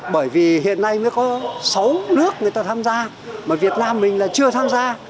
bởi vì hiện nay mới có sáu nước người ta tham gia mà việt nam mình là chưa tham gia